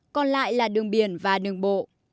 còn lại là đường biển và đường bộ